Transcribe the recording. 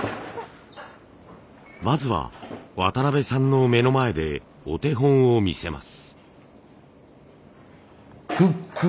まずは渡辺さんの目の前でお手本を見せます。